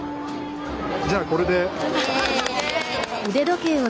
じゃあこれで。